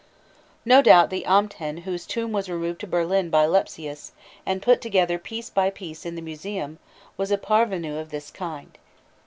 No doubt the Amten whose tomb was removed to Berlin by Lepsius, and put together piece by piece in the museum, was a parvenu of this kind.